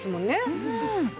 うん。